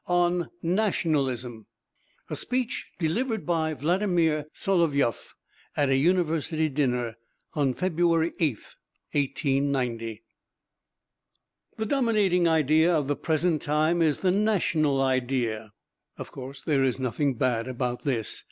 _ ON NATIONALISM A speech delivered by Vladimir Solovyov at a University Dinner on February 8th, 1890 The dominating idea of the present time is the national idea. Of course, there is nothing bad about this.